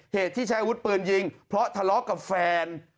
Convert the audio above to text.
เหตุที่ใช้อาวุธปืนยิงเพราะทะเลาะกับแฟน